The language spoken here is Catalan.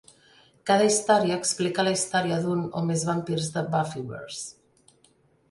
Cada història explica la història d'un o més vampirs de Buffyverse.